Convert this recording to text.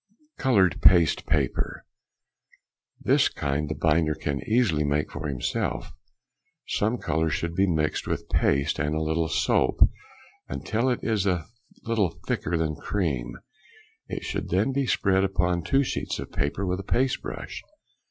Coloured Paste Paper.—This kind the binder can easily make for himself. Some colour should be mixed with paste and a little soap, until it is a little thicker than cream. It should then be spread upon two sheets of paper with a paste brush.